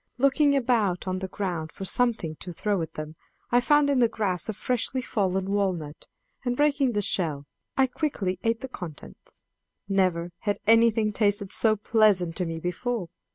Looking about on the ground for something to throw at them, I found in the grass a freshly fallen walnut, and, breaking the shell, I quickly ate the contents. Never had anything tasted so pleasant to me before!